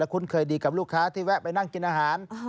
คุ้นเคยดีกับลูกค้าที่แวะไปนั่งกินอาหาร